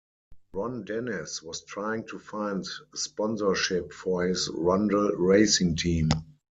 Ron Dennis was trying to find sponsorship for his Rondel racing team.